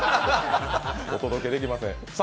お届けできません。